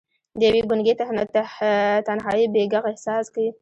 د یوې ګونګې تنهايۍ بې ږغ احساس کې